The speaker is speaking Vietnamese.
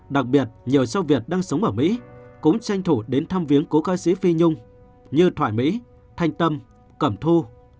đặc biệt nhiều sao việt đang sống ở mỹ cũng tranh thủ đến thăm viếng cố ca sĩ phi nhung như thoại mỹ thanh tâm cẩm thu